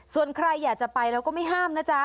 ส่วนใครอยากจะไปเราก็ไม่ห้ามนะจ๊ะ